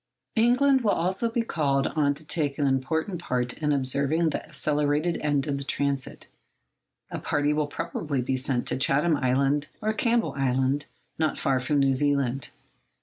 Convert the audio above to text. England will also be called on to take an important part in observing the accelerated end of the transit. A party will probably be sent to Chatham Island or Campbell Island, not far from New Zealand.